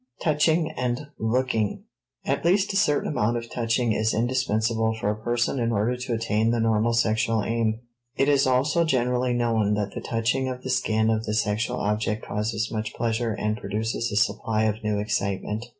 *Touching and Looking.* At least a certain amount of touching is indispensable for a person in order to attain the normal sexual aim. It is also generally known that the touching of the skin of the sexual object causes much pleasure and produces a supply of new excitement.